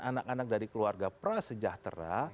anak anak dari keluarga prasejahtera